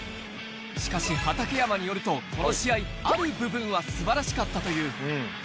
しかし畠山によると、この試合、ある部分は素晴らしかったという。